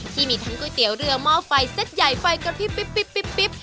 ที่มีทั้งก๋วยเตี๋ยวเรือหม้อไฟเซ็ตใหญ่ไฟกระพริบ